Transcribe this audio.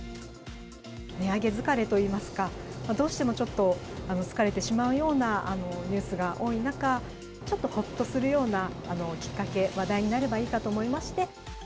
値上げ疲れといいますか、どうしてもちょっと疲れてしまうようなニュースが多い中、ちょっとほっとするようなきっかけ、話題になればいいかと思いまして。